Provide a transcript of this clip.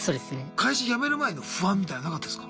会社辞める前の不安みたいのなかったですか？